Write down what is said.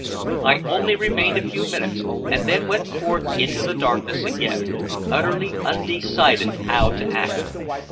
I only remained a few minutes, then went forth into the darkness again, utterly undecided how to act.